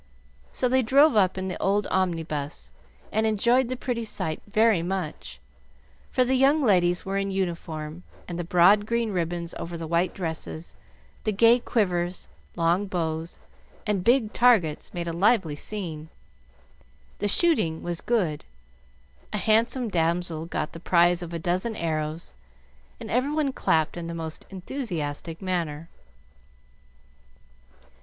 So they drove up in the old omnibus, and enjoyed the pretty sight very much; for the young ladies were in uniform, and the broad green ribbons over the white dresses, the gay quivers, long bows, and big targets, made a lively scene. The shooting was good; a handsome damsel got the prize of a dozen arrows, and every one clapped in the most enthusiastic manner.